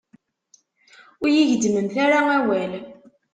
Ur yi-gezzmemt ara awal.